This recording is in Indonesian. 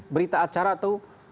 berita acara tuh